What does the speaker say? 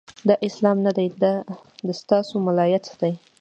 دا اسلام نه دی، د ستا سو ملایت دی